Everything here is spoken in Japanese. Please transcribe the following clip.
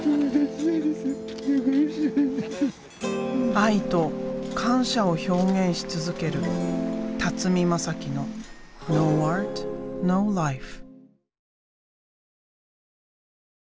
愛と感謝を表現し続ける辰巳公紀のｎｏａｒｔ，ｎｏｌｉｆｅ。